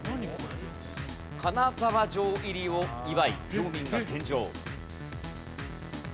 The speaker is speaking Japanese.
金沢城入りを祝い領民が献上。